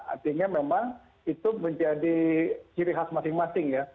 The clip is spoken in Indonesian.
artinya memang itu menjadi ciri khas masing masing ya